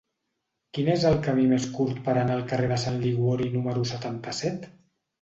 Quin és el camí més curt per anar al carrer de Sant Liguori número setanta-set?